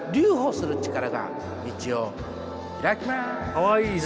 かわいいな。